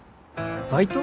「バイト？」